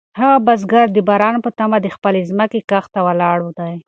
هغه بزګر د باران په تمه د خپلې ځمکې کښت ته ولاړ دی.